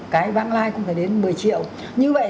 cái vãng lai cũng có thể đến một mươi triệu như vậy